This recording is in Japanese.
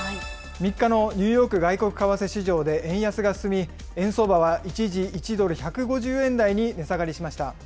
３日のニューヨーク外国為替市場で円安が進み、円相場は一時１ドル１５０円台に値下がりしました。